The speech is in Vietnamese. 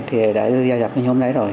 thì đã gia dập cái nhóm đấy rồi